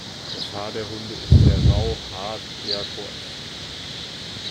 Das Haar der Hunde ist sehr rau, hart, eher kurz.